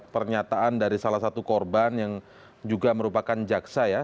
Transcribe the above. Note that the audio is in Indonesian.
pernyataan dari salah satu korban yang juga merupakan jaksa ya